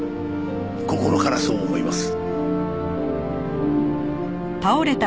心からそう思います。